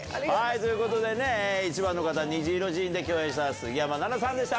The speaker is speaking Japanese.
ということで１番の方『にじいろジーン』で共演した杉山菜々さんでした！